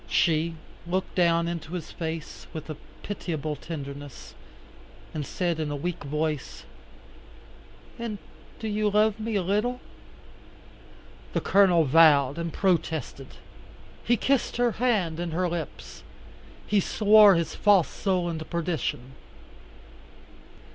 She looked down into his face, with a pitiable tenderness, and said in a weak voice. "And you do love me a little?" The Colonel vowed and protested. He kissed her hand and her lips. He swore his false soul into perdition.